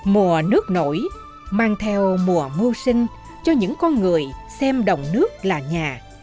mùa nước nổi mang theo mùa mưu sinh cho những con người xem đồng nước là nhà